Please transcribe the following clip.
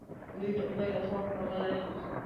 دوی د خدای له خوا ښاغلي